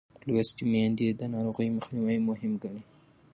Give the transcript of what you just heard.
لوستې میندې د ناروغۍ مخنیوی مهم ګڼي.